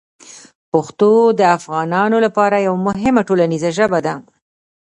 پښتو د افغانانو لپاره یوه مهمه ټولنیزه ژبه ده.